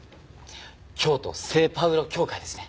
京都聖パウロ教会ですね？